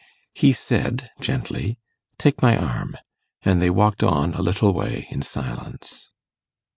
He said gently, 'Take my arm'; and they walked on a little way in silence.